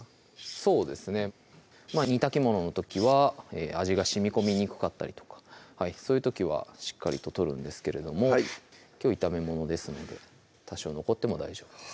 そうですね煮炊きものの時は味がしみこみにくかったりとかそういう時はしっかりと取るんですけれどもきょう炒めものですので多少残っても大丈夫です